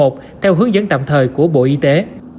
theo hướng dẫn tạm thời của bộ y tế